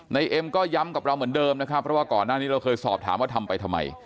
เอ็มก็ย้ำกับเราเหมือนเดิมนะครับเพราะว่าก่อนหน้านี้เราเคยสอบถามว่าทำไปทำไม